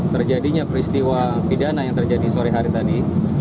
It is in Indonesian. terjadinya peristiwa pidana yang terjadi sore hari tadi